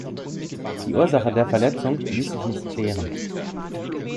Die Ursache der Verletzung ließ sich nicht klären.